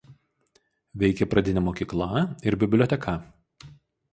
Veikė pradinė mokykla ir biblioteka.